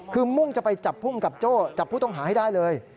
คือมุ่งจะไปจับภูมิกับโจ้จับผู้ต้องหาให้ได้เลย